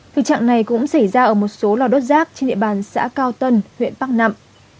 thực trạng này cũng xảy ra ở một số lò đốt rác trên địa bàn xã cao tân huyện bắc nậm